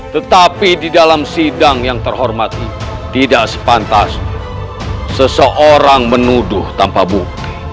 tetapi di dalam sidang yang terhormati tidak sepantas seseorang menuduh tanpa bukti